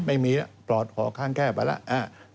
ไม่มีแล้วปลอดออกข้างแก้ไปแล้ว